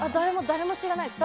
誰も知らないです。